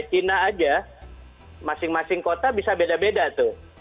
cina aja masing masing kota bisa beda beda tuh